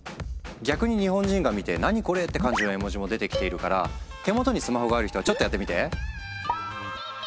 逆に日本人が見て何これ？って感じの絵文字も出てきているから手元にスマホがある人はちょっとやってみて。